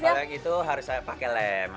iya paling itu harus saya pakai lem